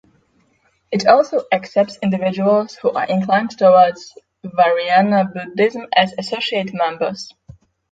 It also accepts individuals who are inclined towards Vajrayana Buddhism as associate members.